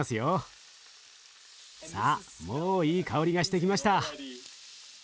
さあもういい香りがしてきました。